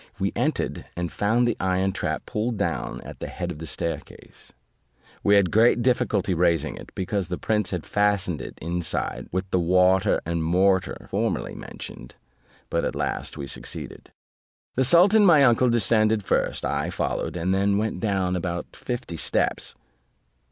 We entered, and found the iron trap pulled down at the head of the staircase; we had great difficulty in raising it, because the prince had fastened it inside with the water and mortar formerly mentioned, but at last we succeeded. The sultan my uncle descended first, I followed, and we went down about fifty steps.